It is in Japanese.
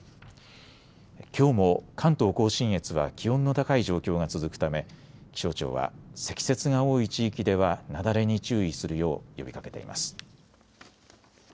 きょうも関東甲信越は気温の高い状況が続くため、気象庁は積雪が多い地域では雪崩に注意するよう呼びかけています。